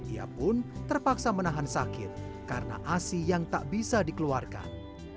ia pun terpaksa menahan sakit karena asi yang tak bisa dikeluarkan